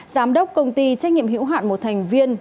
giám đốc công ty trách nhiệm hữu hạn một thành viên